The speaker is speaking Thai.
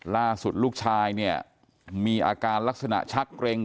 ล่าสุดลูกชายเนี่ยมีอาการลักษณะชักเกร็ง